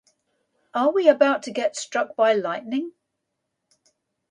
Are we about to get struck by lightning?